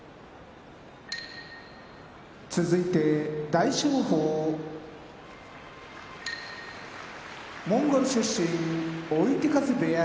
大翔鵬モンゴル出身追手風部屋